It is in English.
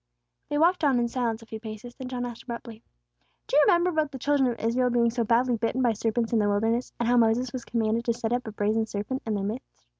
'" They walked on in silence a few paces, then John asked abruptly, "Do you remember about the children of Israel being so badly bitten by serpents in the wilderness, and how Moses was commanded to set up a brazen serpent in their midst?"